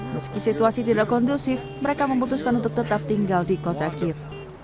meski situasi tidak kondusif mereka memutuskan untuk tetap tinggal di kota kiev